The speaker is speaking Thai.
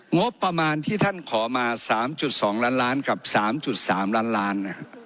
งบประมาณที่ท่านขอมา๓๒ล้านล้านกับ๓๓ล้านล้าน